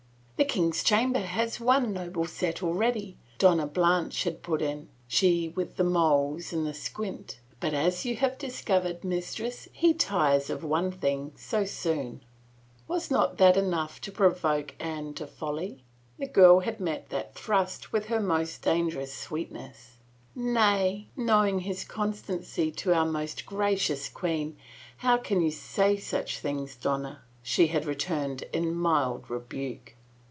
" The king's chamber hath one noble set already," Donna Blanche had put in, she with the moles and the squint, "but as you have discovered, mistress, he tires of one thing so soon !" Was not that enough to provoke Anne to folly? The girl had met that thrust with her most dangerous sweet ness. " Nay, knowing his constancy to our most gracious queen, how can you say such things, Donna?" she had returned in mild rebuke.